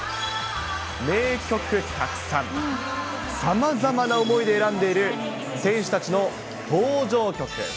名曲たくさん、さまざまな思いで選んでいる選手たちの登場曲。